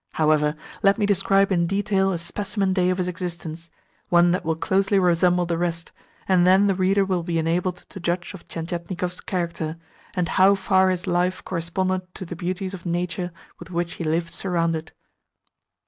However, let me describe in detail a specimen day of his existence one that will closely resemble the rest, and then the reader will be enabled to judge of Tientietnikov's character, and how far his life corresponded to the beauties of nature with which he lived surrounded.